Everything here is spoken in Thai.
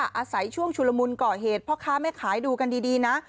อาศัยช่วงชุลมุนก่อเหตุพ่อค้าแม่ขายดูกันดีนะ